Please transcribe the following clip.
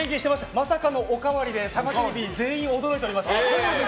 まさかのおかわりでサガテレビ全員驚いております。